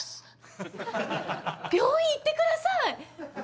病院行ってください！